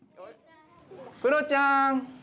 クロちゃん。